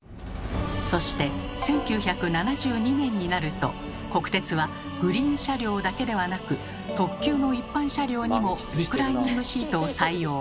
そして１９７２年になると国鉄はグリーン車両だけではなく特急の一般の車両にもリクライニングシートを採用。